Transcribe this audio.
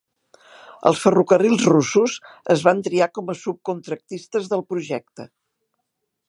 Els ferrocarrils russos es van triar com a subcontractistes del projecte.